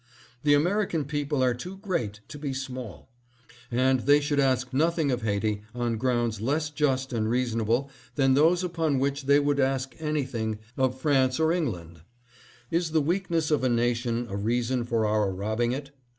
The Ameri can people are too great to be small, and they should ask nothing of Haiti on grounds less just and reasonable SYMPATHY FOR HAITI. 731 than those upon which they would ask anything of France or England. Is the weakness of a nation a reason for our robbing it?